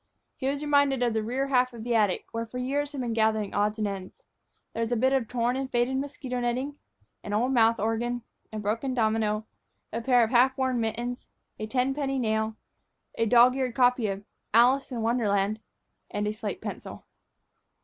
He was reminded of the rear half of the attic, where for years had been gathering odds and ends. There was a bit of torn and faded mosquito netting, an old mouth organ, a broken domino, a pair of half worn mittens, a ten penny nail, a dog eared copy of "Alice in Wonderland," and a slate pencil.